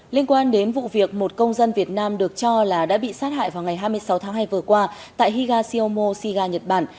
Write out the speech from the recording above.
liên quan đến vụ việc một công dân việt nam được cho là đã bị sát hại vào ngày hai mươi sáu tháng hai vừa qua tại higa siêuo shiga nhật bản